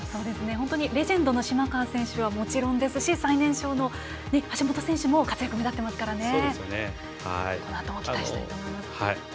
本当にレジェンドの島川選手はもちろんですし最年少の橋本選手も活躍、目立っていますからこのあとも期待したいと思います。